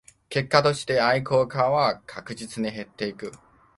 結果として愛好家は確実に減っていく